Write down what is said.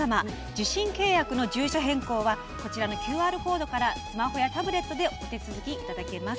受信契約の住所変更はこちらのＱＲコードからスマホやタブレットでお手続きいただけます。